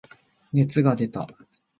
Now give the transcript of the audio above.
熱が出た。